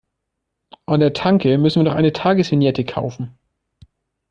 An der Tanke müssen wir noch eine Tagesvignette kaufen.